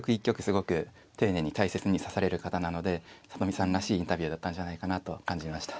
すごく丁寧に大切に指される方なので里見さんらしいインタビューだったんじゃないかなと感じました。